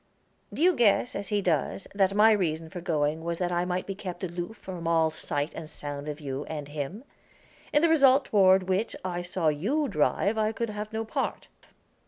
'" "Do you guess, as he does, that my reason for going was that I might be kept aloof from all sight and sound of you and him? In the result toward which I saw you drive I could have no part."